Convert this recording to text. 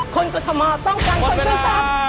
คนกฏมต้องการคนสวยซ้ำ